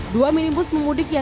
dua minibus memudik